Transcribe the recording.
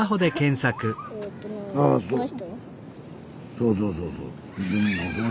そうそうそうそう。